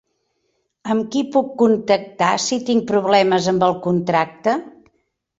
Amb qui puc contactar si tinc problemes amb el contracte?